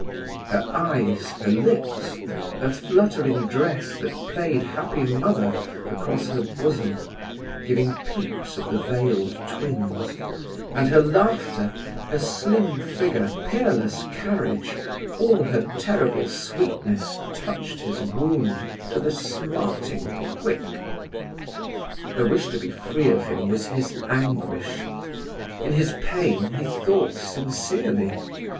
Her eyes, her lips, her fluttering dress that played happy mother across her bosom, giving peeps of the veiled twins; and her laughter, her slim figure, peerless carriage, all her terrible sweetness touched his wound to the smarting quick. Her wish to be free of him was his anguish. In his pain he thought sincerely.